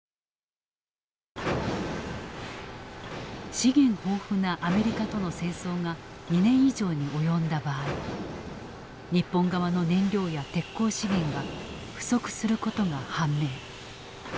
資源豊富なアメリカとの戦争が２年以上に及んだ場合日本側の燃料や鉄鋼資源が不足することが判明。